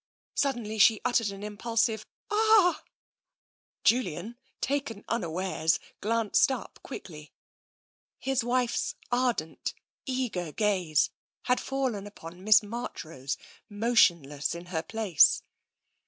Suddenly she uttered an impulsive " Ah !" i 98 TENSION Julian, taken unawares, glanced up quickly. His wife's eager, ardent gaze had fallen upon Miss March rose, motionless in her place.